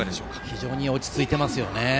非常に落ち着いていますね。